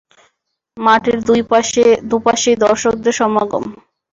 মাঠের দুপাশেই দর্শকের সমাগম।